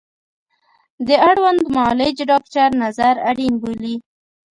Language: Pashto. د اړوند معالج ډاکتر نظر اړین بولي